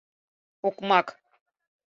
«Окмак!